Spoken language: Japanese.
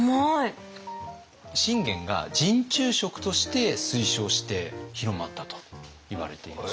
信玄が陣中食として推奨して広まったといわれているそうです。